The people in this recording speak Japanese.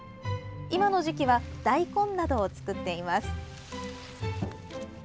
今の時期は大根などを作っています。